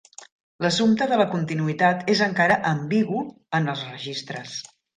L'assumpte de la continuïtat és encara ambigu en els registres.